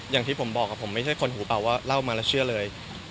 อย่างที่ผมบอกผมไม่ใช่คนหูเปล่าว่าเล่ามาแล้วเชื่อเลย